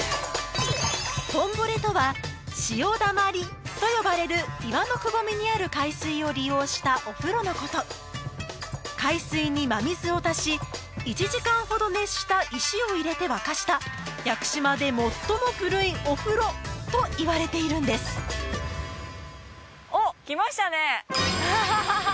「トンボレ」とは「潮溜まり」と呼ばれる岩のくぼみにある海水を利用したお風呂のこと海水に真水を足し１時間ほど熱した石を入れて沸かした屋久島で最も古いお風呂といわれているんですおっ来ましたねハハハ